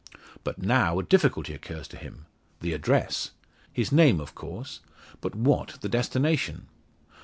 But now a difficulty occurs to him the address! His name of course, but what the destination?